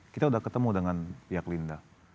kita sudah ketemu dengan pihak linda